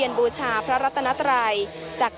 พาคุณผู้ชมไปติดตามบรรยากาศกันที่วัดอรุณราชวรรมหาวิหารค่ะ